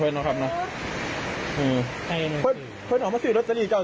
จำคนมาสื่อไปแต่เห็นปะ